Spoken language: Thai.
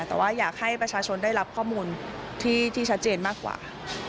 แต่ว่าอยากให้ประชาชนได้รับข้อมูลที่ชัดเจนมากกว่า